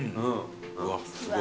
うわすごい。